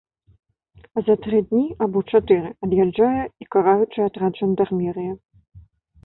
А за тры дні або чатыры ад'язджае і караючы атрад жандармерыі.